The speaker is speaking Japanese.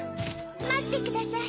まってください。